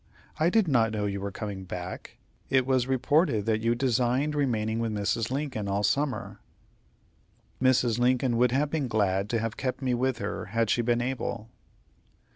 I did not know you were coming back. It was reported that you designed remaining with Mrs. Lincoln all summer." "Mrs. Lincoln would have been glad to have kept me with her had she been able."